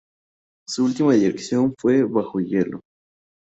Su última dirección fue "Bajo hielo".